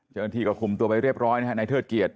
เจอที่ก็คุมตัวไปเรียบร้อยนะฮะในเทอดเกียจ